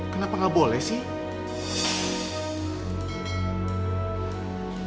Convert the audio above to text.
kenapa gak boleh sih